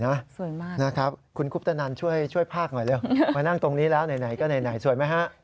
โอ้โฮนี่เป็นภาพไทม์แล็บด้วย